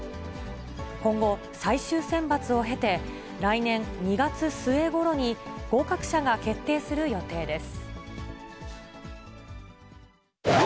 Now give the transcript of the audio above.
今後、最終選抜を経て、来年２月末ごろに合格者が決定する予定です。